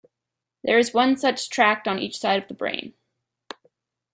There is one such tract on each side of the brain.